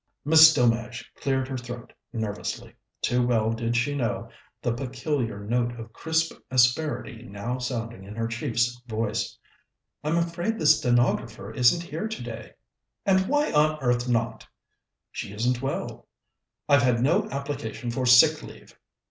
Miss Delmege cleared her throat nervously. Too well did she know the peculiar note of crisp asperity now sounding in her chief's voice. "I'm afraid the stenographer isn't here today." "And why on earth not?" "She isn't well." "I've had no application for sick leave."